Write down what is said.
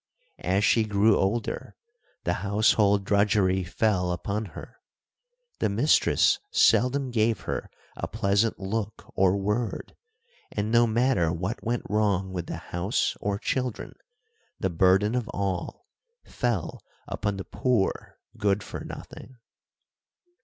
As she grew older, the household drudgery fell upon her. The mistress seldom gave her a pleasant look or word, and no matter what went wrong with the house or children, the burden of all fell upon the poor "Good for Nothing."